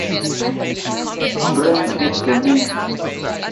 His mother's cradle songs are the songs of his people.